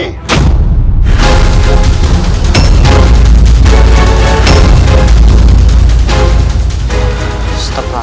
dia menguasai desa ini